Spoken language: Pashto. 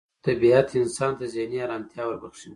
طبیعت انسان ته ذهني ارامتیا وربخښي